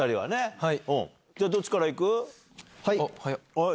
はい！